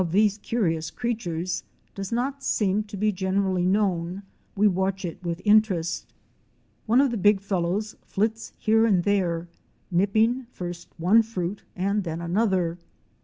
these curious creatures does not seem to be generally known we watch it with interest. One of the big fellows flits here and there, nipping first one fruit and then another.